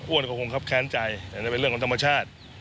อ้วนเขาก็คงครับแค้นใจแต่นี่มันเป็นเรื่องของธรรมชาติ